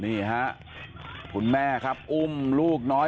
นี่ฮะคุณแม่ครับอุ้มลูกน้อย